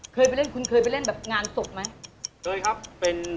เคยไปเล่นคุณเคยไปเล่นงามศพไหม